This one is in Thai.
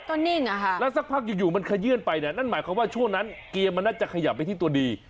ก็นิ่งอ่ะค่ะแล้วสักพักอยู่มันขยื่นไปเนี่ยนั่นหมายความว่าช่วงนั้นเกียร์มันน่าจะขยับไปที่ตัวดี